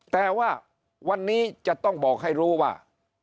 แต่ว่าวันนี้จะต้องบอกให้รู้ว่า